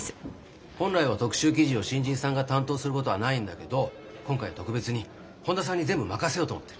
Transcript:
本来は特集記事を新人さんが担当することはないんだけど今回は特別に本田さんに全部任せようと思ってる。